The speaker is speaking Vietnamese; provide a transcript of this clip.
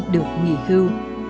được nghỉ hưu